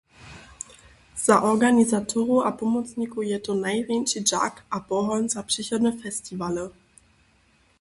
Za organizatorow a pomocnikow je to najrjeńši dźak a pohon za přichodne festiwale.